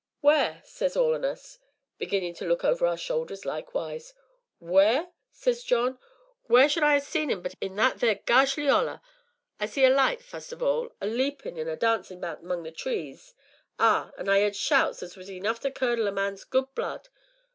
'Wheer?' says all on us, beginnin' to look over our shoulders likewise. 'Wheer?' says John, 'wheer should I see un but in that theer ghashly 'Oller. I see a light, fust of all, a leapin' an' a dancin' about 'mong the trees ah! an' I 'eerd shouts as was enough to curdle a man's good blood.'